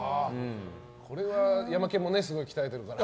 これはヤマケンもすごい鍛えてるからね。